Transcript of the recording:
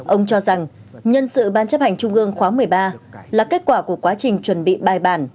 ông cho rằng nhân sự ban chấp hành trung ương khóa một mươi ba là kết quả của quá trình chuẩn bị bài bản